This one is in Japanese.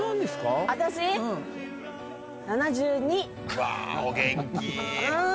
うわお元気うん